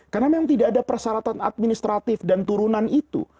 karena memang tidak ada persyaratan administratif dan turunan itu